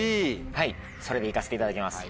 それで行かせていただきます